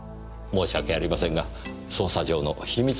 申し訳ありませんが捜査上の秘密事項ですので。